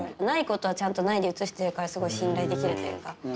ないことはちゃんとないで映してるからすごい信頼できるというか。